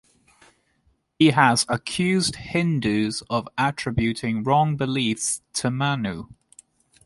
He has accused Hindus of attributing wrong beliefs to Manu.